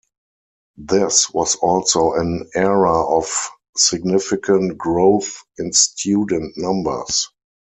This was also an era of significant growth in student numbers.